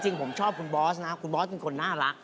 จริงผมชอบคุณบอสนะคุณบอสเป็นคนน่ารัก